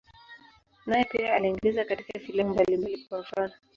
Naye pia aliigiza katika filamu mbalimbali, kwa mfano.